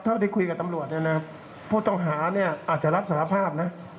เท่าที่คุยกับตำรวจเนี้ยนะฮะผู้ตำหาเนี้ยอาจจะรับสารภาพนะ